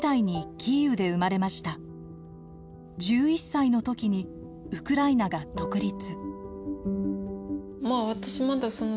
１１歳の時にウクライナが独立。